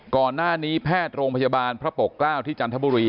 ก่อนหน้านี้แพทย์โรงพยาบาลพระปกเกล้าที่จันทบุรี